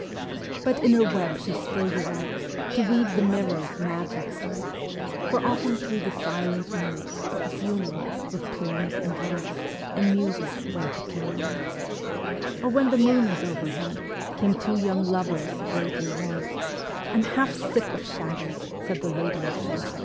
But in her web she still delights To weave the mirror's magic sights, For often thro' the silent nights A funeral, with plumes and lights Ā Ā And music, went to Camelot: Or when the moon was overhead, Came two young lovers lately wed: "I am half sick of shadows," said Ā Ā The Lady of Shalott.